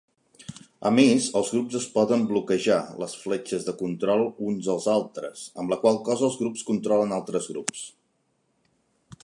A més, els grups es poden "bloquejar" les fletxes de control uns als altres, amb la qual cosa els grups controlen altres grups.